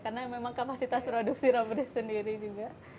karena memang kapasitas produksi robreeze sendiri juga